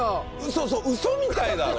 そうそうウソみたいだろ？